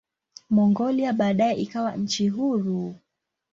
Mongolia baadaye ikawa nchi huru.